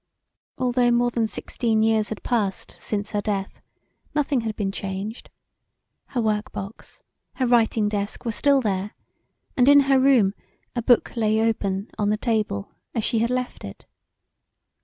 Although more than sixteen years had passed since her death nothing had been changed; her work box, her writing desk were still there and in her room a book lay open on the table as she had left it.